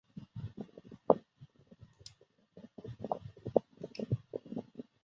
蔡正元骂何大一是三七仔。